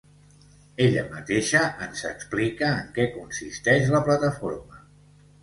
Ella mateixa ens explica en què consisteix la plataforma.